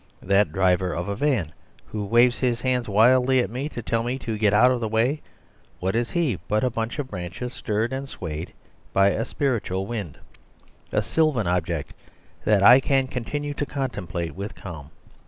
That driver of a van who waves his hands wildly at me to tell me to get out of the way, what is he but a bunch of branches stirred and swayed by a spiritual wind, a sylvan object that I can continue to contemplate with calm?